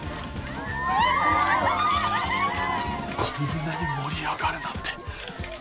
こんなに盛り上がるなんて。